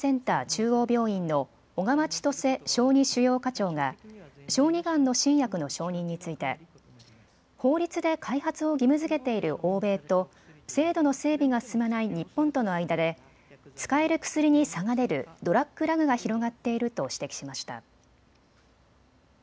中央病院の小川千登世小児腫瘍科長が小児がんの新薬の承認について法律で開発を義務づけている欧米と制度の整備が進まない日本との間で使える薬に差が出るドラックラグが広がっていると指摘しました。